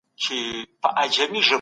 ښه ذهنیت ژوند نه زیانمنوي.